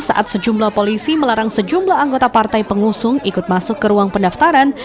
saat sejumlah polisi melarang sejumlah anggota partai pengusung ikut masuk ke ruang pendaftaran